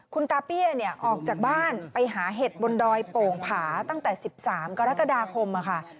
คุณตาเปี้ยเนี่ยออกจากบ้านไปหาเห็ดบนดอยโป่งผาตั้งแต่๑๓กรกฎาคมค่ะ